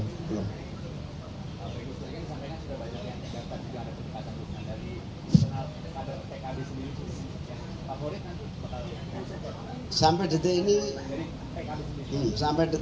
pak prabowo sudah ingin disampaikan sudah banyak yang menjelaskan juga ada ketika terbunuh